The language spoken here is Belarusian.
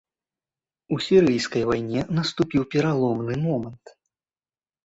У сірыйскай вайне наступіў пераломны момант.